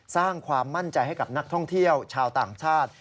สร้างความมั่นใจให้กับนักท่องเที่ยวชาวต่างชาติ